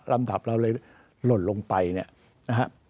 ลำดับเราเลยลดลงไปเนี่ยนะฮะ